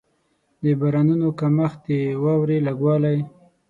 د بارانونو کمښت، د واورې لږ والی.